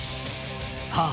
さあ